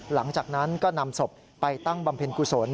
หลังจากนั้นก็นำศพไปตั้งบำเพ็ญกุศล